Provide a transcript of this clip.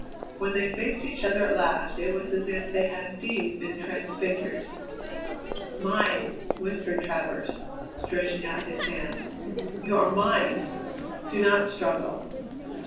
When they faced each other at last it was as if they had indeed been transfigured. "Mine!" whispered Travers, stretching out his hands. "You are mine! Do not struggle."